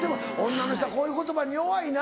女の人はこういう言葉に弱いな。